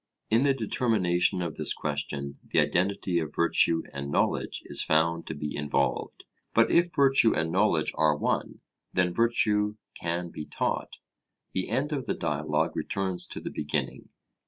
In the determination of this question the identity of virtue and knowledge is found to be involved. But if virtue and knowledge are one, then virtue can be taught; the end of the Dialogue returns to the beginning.